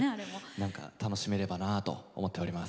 何か楽しめればなと思っております。